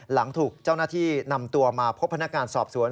หลังถูกเจ้าหน้าที่นำตัวมาพบพนักงานสอบสวน